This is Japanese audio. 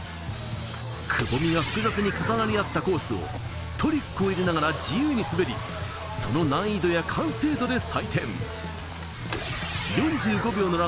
くぼみが複雑に重なり合ったコースをトリックを入れながら自由に滑り、その難易度や完成度で採点。